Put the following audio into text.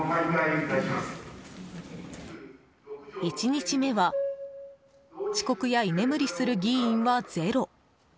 １日目は、遅刻や居眠りする議員はゼロ。